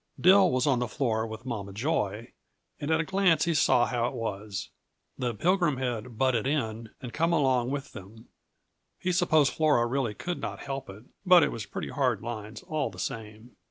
Dill was on the floor with Mama Joy, and at a glance he saw how it was; the Pilgrim had "butted in" and come along with them. He supposed Flora really could not help it, but it was pretty hard lines, all the same.